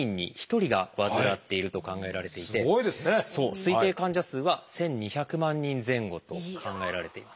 推定患者数は１，２００万人前後と考えられています。